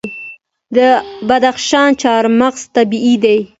د بدخشان چهارمغز طبیعي دي.